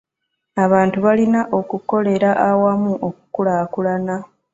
Abantu balina okukolere awamu okukulaakulana.